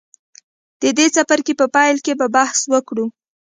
د دې څپرکي په پیل کې به بحث وکړو.